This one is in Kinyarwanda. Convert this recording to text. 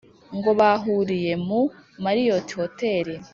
ngo bahuriye mu marriott hotel